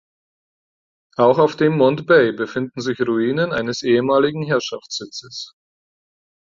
Auch auf dem Mont Bey befinden sich Ruinen eines ehemaligen Herrschaftssitzes.